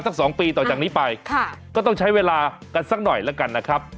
สวัสดีคุณชิสานะฮะสวัสดีคุณชิสานะฮะ